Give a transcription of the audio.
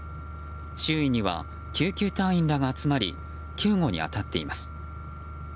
周囲には救急隊員らが集まり救護に当たっています。